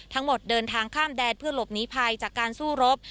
เดินทางข้ามแดนเพื่อหลบหนีภัยจากการสู้รบ